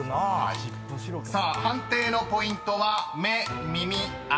［さあ判定のポイントは目耳脚］